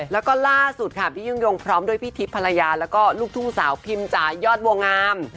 แล้วก็ล่าสุดค่ะพี่ยิ่งยงพร้อมด้วยพี่ทิพย์ภรรยาแล้วก็ลูกทุ่งสาวพิมจ่ายอดบัวงาม